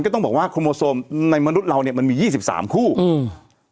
ก็ต้องบอกว่าโคโมโซมในมนุษย์เราเนี้ยมันมียี่สิบสามคู่อืม